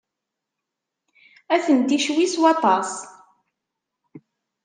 Atenti ccwi s waṭas.